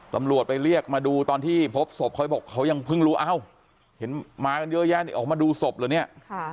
ตำรวจไปเรียกมาดูตอนที่พบศพเขาบอกเขายังเพิ่งรู้เอ้าเห็นมากันเยอะแยะนี่ออกมาดูศพเหรอเนี่ย